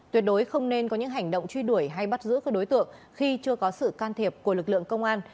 tuyệt đối không nên có những hành động truy đuổi hay bắt giữ các đối tượng khi chưa có sự can thiệp của lực lượng công an